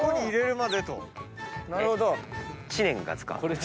なるほど。